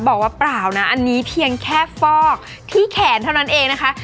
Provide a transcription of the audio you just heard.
เปล่านะอันนี้เพียงแค่ฟอกที่แขนเท่านั้นเองนะคะ